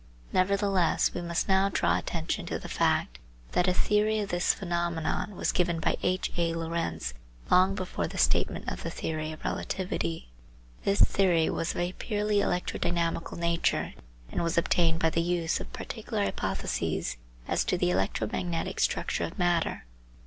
Nevertheless we must now draw attention to the fact that a theory of this phenomenon was given by H. A. Lorentz long before the statement of the theory of relativity. This theory was of a purely electrodynamical nature, and was obtained by the use of particular hypotheses as to the electromagnetic structure of matter.